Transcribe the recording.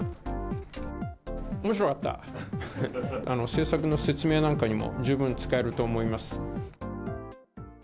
政策の説明なんかにも十分使えると思います。